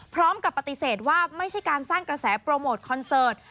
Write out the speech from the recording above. พร้อมกับปฏิเสธว่าไม่ใช่การสร้างกระแสโปรโมทคอนเสิร์ต